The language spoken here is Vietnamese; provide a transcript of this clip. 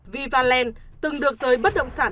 viva land từng được giới bất động sản